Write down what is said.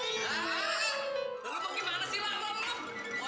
haaa lu mau gimana sih ramon